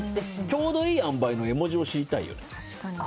ちょうどいい塩梅の絵文字を知りたいよね。